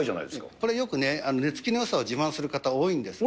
これ、よく寝つきのよさを自慢する方多いんですが。